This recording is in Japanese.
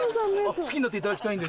好きになっていただきたいんで。